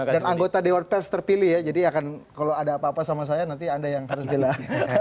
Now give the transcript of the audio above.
dan anggota dewan pers terpilih ya jadi kalau ada apa apa sama saya nanti anda yang terpilih